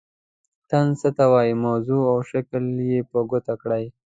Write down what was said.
طنز څه ته وايي موضوع او شکل یې په ګوته کړئ.